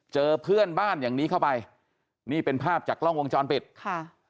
เจอเพื่อนบ้านอย่างนี้เข้าไปนี่เป็นภาพจากกล้องวงจรปิดค่ะ